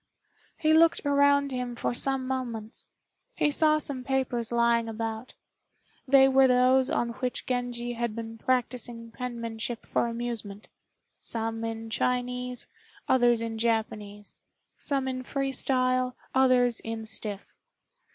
He looked around him for some moments. He saw some papers lying about. They were those on which Genji had been practising penmanship for amusement some in Chinese, others in Japanese; some in free style, others in stiff.